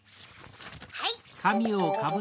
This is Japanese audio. はい。